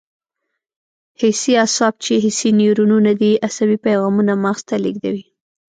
حسي اعصاب چې حسي نیورونونه دي عصبي پیغامونه مغز ته لېږدوي.